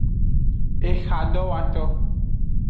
Ehadowoto.